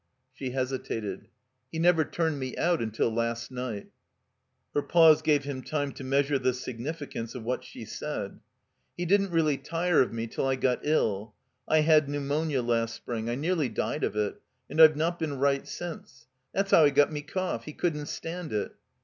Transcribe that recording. She hesitated. "He never turned me out until last night." Her pause gave him time to measure the signifi cance of what she said. "He didn't really tire of me till I got ill. I had pneumonia last spring. I nearly died of it, and I've not been right since. That's how I got me cough. He couldn't stand it."